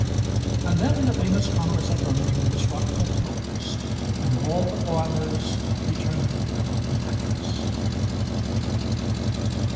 And then the famous congress at Birmingham was brought to a close, and all the foreigners returned to their own countries.